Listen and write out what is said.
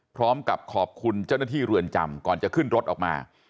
พร้อมกับขอบคุณเจ้าหน้าที่เรือนจำก่อนจะขึ้นรถออกมา